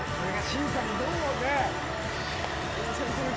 審査にどうね。